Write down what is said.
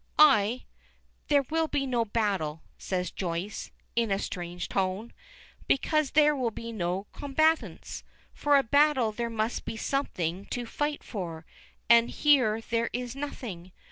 I " "There will be no battle," says Joyce, in a strange tone, "because there will be no combatants. For a battle there must be something to fight for, and here there is nothing.